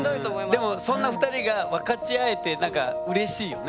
でもそんな２人が分かち合えてなんかうれしいよね。